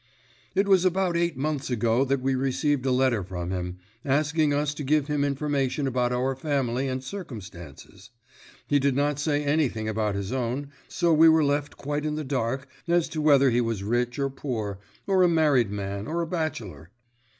"It was about eight months ago that we received a letter from him, asking us to give him information about our family and circumstances. He did not say anything about his own, so we were left quite in the dark as to whether he was rich or poor, or a married man or a bachelor.